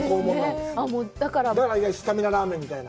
だからスタミナラーメンみたいな。